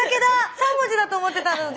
３文字だと思ってたのに全部で。